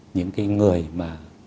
những cái người mà